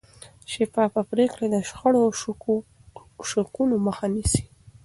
شفافه پرېکړې د شخړو او شکونو مخه نیسي